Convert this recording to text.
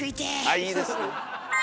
あっいいですね。